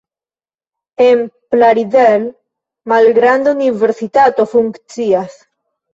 En Plaridel malgranda universitato funkcias.